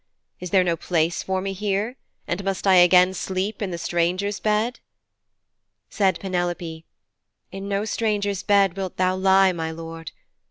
Is there no place for me here, and must I again sleep in the stranger's bed?' Said Penelope, 'In no stranger's bed wilt thou lie, my lord.